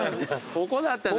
ここだったんだ。